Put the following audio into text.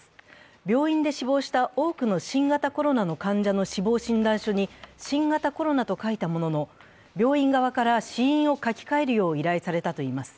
病院で死亡した多くの新型コロナの患者の死亡診断書に新型コロナと書いたものの病院側から死因を書き換えるよう依頼されたといいます。